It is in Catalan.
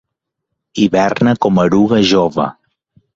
Hiberna com a eruga jove.